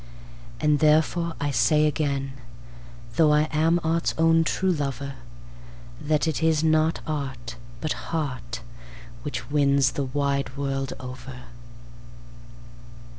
And therefore I say again, though I am art's own true lover, That it is not art, but heart, which wins the wide world over.